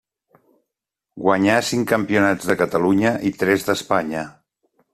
Guanyà cinc Campionats de Catalunya i tres d'Espanya.